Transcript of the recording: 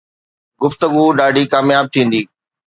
گفتگو ڏاڍي ڪامياب ٿيندي